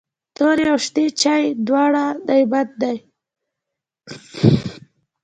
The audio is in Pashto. توري او شنې چايي دواړه نعمت دی.